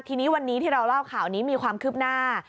ทีนี้วันนี้ที่เราเล่าข่าวนี้มีความคืบหน้า